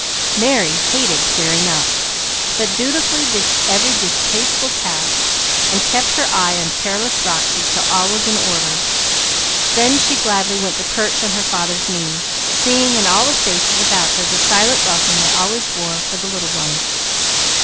Merry hated clearing up, but dutifully did every distasteful task, and kept her eye on careless Roxy till all was in order; then she gladly went to perch on her father's knee, seeing in all the faces about her the silent welcome they always wore for the "little one."